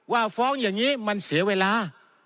ว่าฟ้องอย่างนี้มันเสียเวลา